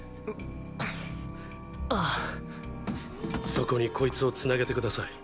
そこにこいつを繋げてください。